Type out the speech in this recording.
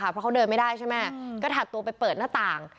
เพราะเขาเดินไม่ได้ใช่ไหมก็ถัดตัวไปเปิดหน้าต่าง